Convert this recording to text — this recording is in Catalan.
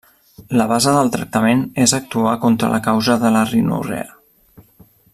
La base del tractament és actuar contra la causa de la rinorrea.